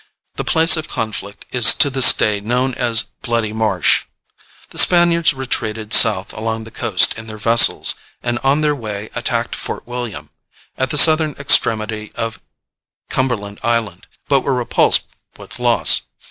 The place of conflict is to this day known as "Bloody Marsh." The Spaniards retreated south along the coast in their vessels, and on their way attacked Fort William, at the southern extremity of Cumberland Island, but were repulsed with loss.